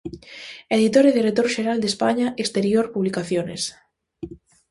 Editor e director xeral de España Exterior Publicaciones.